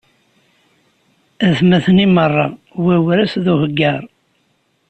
Atmaten imeṛṛa, wawras d uheggaṛ.